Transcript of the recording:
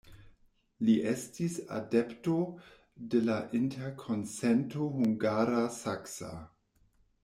Li estis adepto de la interkonsento hungara-saksa.